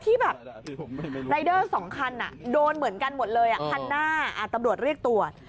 ที่แบบรายเดอร์๒คันโดนเหมือนกันหมดเลยคันหน้าตำรวจเรียกตรวจ